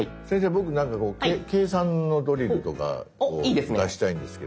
僕なんかこう計算のドリルとかを出したいんですけど。